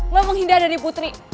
lo menghindari putri